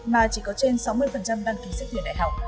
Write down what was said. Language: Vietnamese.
mà chỉ có trên sáu mươi đăng ký xét tuyển đại học